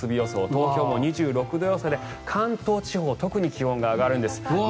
東京も２６度予想で、関東地方は特に気温が上がるんです。